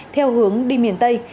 theo hướng đi miền tây